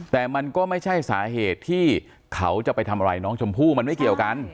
แต่มันก็ไม่ใช่สาเหตุที่เขาจะไปทำอะไรน้องชมพู่มันไม่เกี่ยวกัน